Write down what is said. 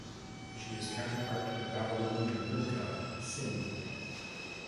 She is counterpart to the Babylonian moon god, Sin.